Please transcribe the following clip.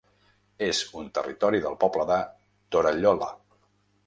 És en territori del poble de Torallola.